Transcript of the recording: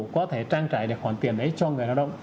có thể trang trải được khoản tiền đấy cho người lao động